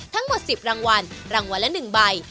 ทั้งหมด๑๐รางวัลรางวัลละ๑ใบ